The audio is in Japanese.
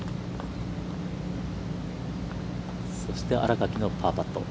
そして、新垣のパーパット。